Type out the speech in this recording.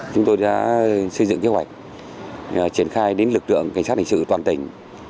chúng tôi đã xây dựng kế hoạch triển khai đến lực lượng cảnh sát hình sự toàn tỉnh